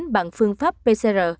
bằng phương pháp pcr